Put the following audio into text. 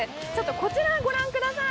こちらご覧ください。